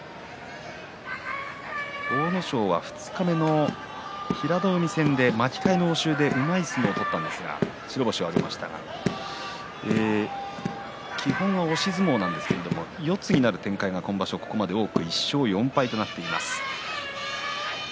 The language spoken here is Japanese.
阿武咲は二日目の平戸海戦で巻き替えの応酬でうまい相撲を取ったんですが白星を挙げましたが基本押し相撲なんですが四つになる展開がここまで多く１勝４敗となっています。